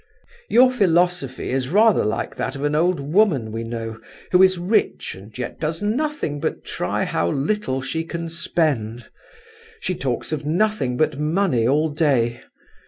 "Your philosophy is rather like that of an old woman we know, who is rich and yet does nothing but try how little she can spend. She talks of nothing but money all day.